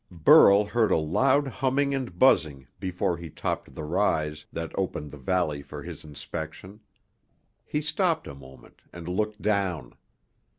Burl heard a loud humming and buzzing before he topped the rise that opened the valley for his inspection. He stopped a moment and looked down.